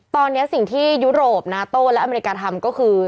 ตอนนี้สิ่งที่ยุโรปนาโต้และอเมริกาทำก็คือ